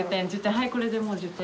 はいこれでもう１０点。